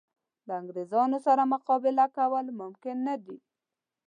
د انګرېزانو سره مقابله کول ممکن نه دي.